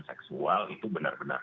seksual itu benar benar